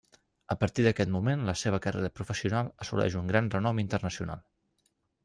A partir d'aquest moment la seva carrera professional assoleix un gran renom internacional.